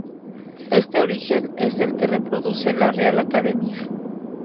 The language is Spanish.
Este origen es el que reproduce la Real Academia.